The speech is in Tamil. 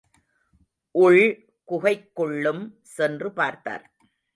உள் குகைக்குள்ளும் சென்று பார்த்தார்.